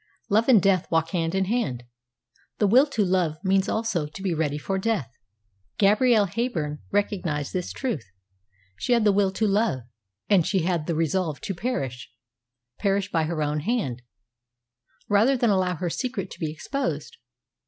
Love and death walk hand in hand. The will to love means also to be ready for death. Gabrielle Heyburn recognised this truth. She had the will to love, and she had the resolve to perish perish by her own hand rather than allow her secret to be exposed.